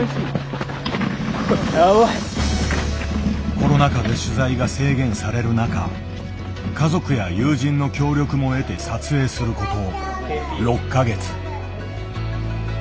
コロナ禍で取材が制限される中家族や友人の協力も得て撮影すること６か月。